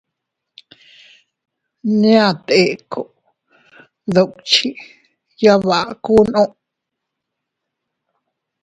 Nñia Teko dukchi yabakunno.